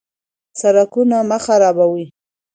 سرکونه مه خرابوئ.